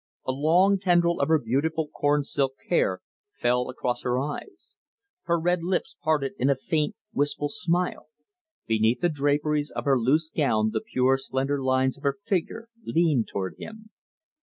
A long tendril of her beautiful corn silk hair fell across her eyes; her red lips parted in a faint wistful smile; beneath the draperies of her loose gown the pure slender lines of her figure leaned toward him.